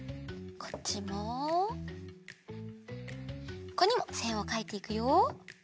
ここにもせんをかいていくよ。